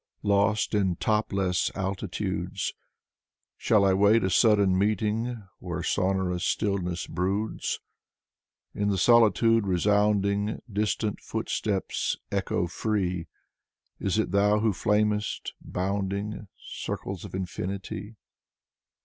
Lost in topless altitudes? Shall I wait a sudden meeting Where sonorous stillness broods? In the solitude resounding Distant footsteps echo free. Is it thou who flamest, bounding Circles of infinity?